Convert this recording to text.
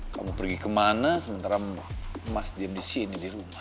kamu pergi kemana sementara mas diam di sini di rumah